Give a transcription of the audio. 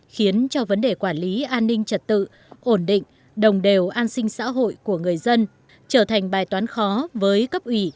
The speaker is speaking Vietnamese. khiến cho vấn đề quản lý an ninh trật tự ổn định đồng đều an sinh xã hội của người dân trở thành bài toán khó với cấp ủy